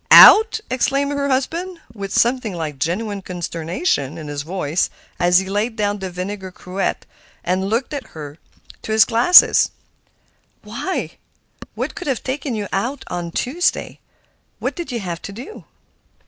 "Out!" exclaimed her husband, with something like genuine consternation in his voice as he laid down the vinegar cruet and looked at her through his glasses. "Why, what could have taken you out on Tuesday? What did you have to do?"